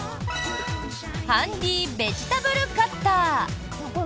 ハンディベジタブルカッター。